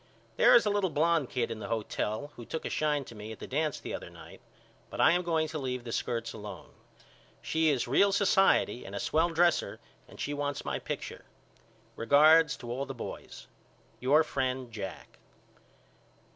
There is a little blonde kid in the hotel here who took a shine to me at the dance the other night but I am going to leave the skirts alone. She is real society and a swell dresser and she wants my picture. Regards to all the boys. Your friend, JACK.